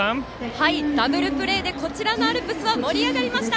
ダブルプレーでこちらのアルプス盛り上がりました。